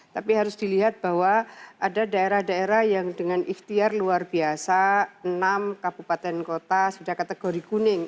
tapi harus dilihat bahwa ada daerah daerah yang dengan ikhtiar luar biasa enam kabupaten kota sudah kategori kuning